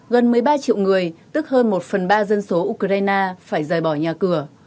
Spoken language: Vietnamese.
gần một mươi ba triệu người tức hơn một phần ba dân số ukraine phải rời bỏ nhà cửa